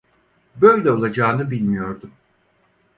Böyle olacağını bilmiyordum.